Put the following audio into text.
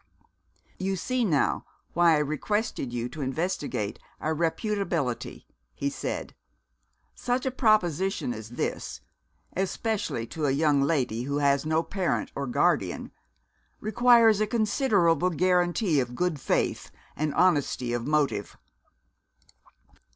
"You see now why I requested you to investigate our reputability?" he said. "Such a proposition as this, especially to a young lady who has no parent or guardian, requires a considerable guarantee of good faith and honesty of motive."